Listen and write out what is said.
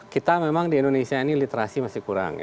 kita memang di indonesia ini literasi masih kurang